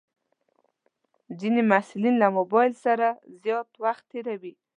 ځینې محصلین له موبایل سره زیات وخت تېروي.